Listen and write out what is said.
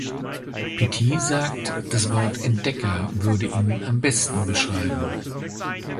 Pettit sagt, das Wort Entdecker würde ihn am besten beschreiben.